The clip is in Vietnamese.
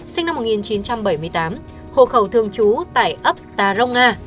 sinh năm một nghìn chín trăm bảy mươi tám hộ khẩu thường trú tại ấp tà rông nga